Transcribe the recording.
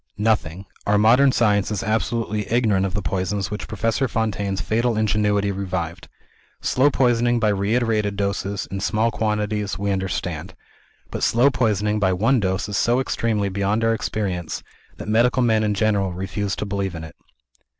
"Nothing. Our modern science is absolutely ignorant of the poisons which Professor Fontaine's fatal ingenuity revived. Slow poisoning by reiterated doses, in small quantities, we understand. But slow poisoning by one dose is so entirely beyond our experience, that medical men in general refuse to believe in it."